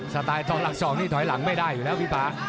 สไตล์ต่อหลัก๒นี่ถอยหลังไม่ได้อยู่แล้วพี่ป๊า